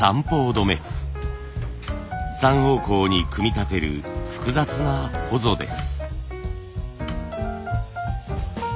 ３方向に組み立てる複雑なほぞです。